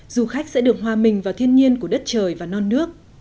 du khách sẽ được hòa mình vào thiên nhiên của đất trời và non nước